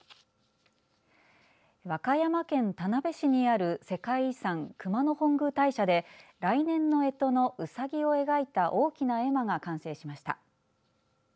和歌山県田辺市にある世界遺産、熊野本宮大社で来年のえとのうさぎを描いた大きな絵馬が完成しました。